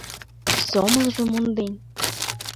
Сомылжым монден